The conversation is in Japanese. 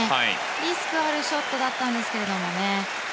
リスクがあるショットだったんですけれどもね。